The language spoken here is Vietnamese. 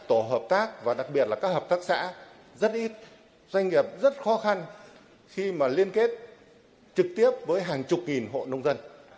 doanh nghiệp rất khó khăn khi mà liên kết trực tiếp với hàng chục nghìn hộ nông dân